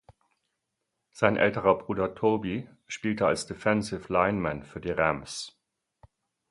Sein älterer Bruder Toby spielte als Defensive Lineman für die Rams.